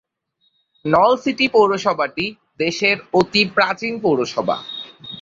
নলছিটি পৌরসভাটি দেশের অতি প্রাচীন পৌরসভা।